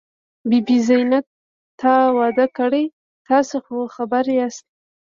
بي بي زينت، تا واده کړی؟ تاسې خو خبر یاست.